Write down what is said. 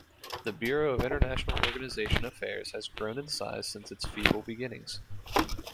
The Bureau of International Organization Affairs has grown in size since its feeble beginnings.